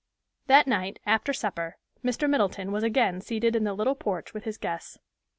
That night, after supper, Mr. Middleton was again seated in the little porch with his guests.